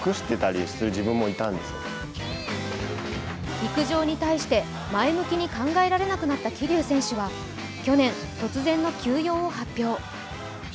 陸上に対して、前向きに考えられなくなった桐生選手は去年、突然の休養を発表。